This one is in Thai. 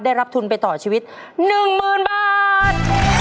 ได้รับทุนไปต่อชีวิต๑๐๐๐บาท